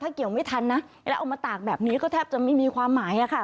เกี่ยวไม่ทันนะแล้วเอามาตากแบบนี้ก็แทบจะไม่มีความหมายค่ะ